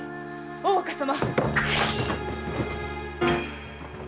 大岡様！